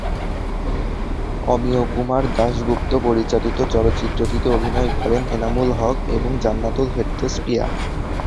অমিয়কুমার দাশগুপ্ত পরিচালিত চলচ্চিত্রটিতে অভিনয় করেন এনামুল হক এবং জান্নাতুল ফেরদৌস পিয়া।